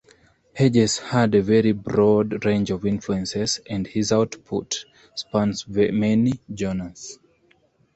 Hedges had a very broad range of influences and his output spans many genres.